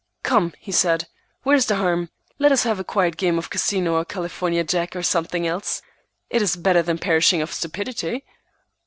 "Come," he said, "where's the harm? Let us have a quiet game of Casino or California Jack, or something else. It is better than perishing of stupidity."